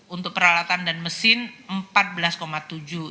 untuk peralatan dan mesin rp empat belas tujuh